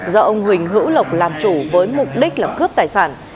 do ông huỳnh hữu lộc làm chủ với mục đích là cướp tài sản